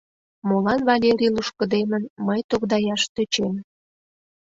— Молан Валерий лушкыдемын — мый тогдаяш тӧчем.